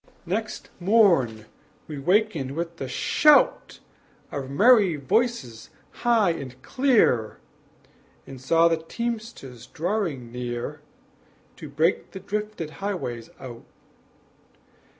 Next morn we wakened with the shout Of merry voices high and clear; And saw the teamsters drawing near To break the drifted highways out.